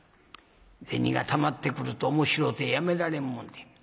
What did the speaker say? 銭がたまってくると面白うてやめられんもんで。